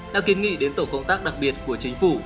đã kiến nghị đến tổ công tác đặc biệt của chính phủ